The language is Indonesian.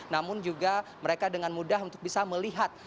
namun juga mereka dengan mudah untuk bisa melihat